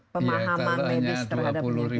pemahaman lebih terhadap lini ketiga